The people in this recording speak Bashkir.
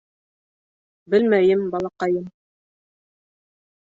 — Белмәйем, балаҡайым.